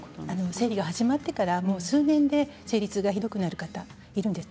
生理が始まってから数年で生理痛がひどくなる方がいます。